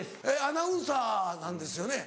アナウンサーなんですよね？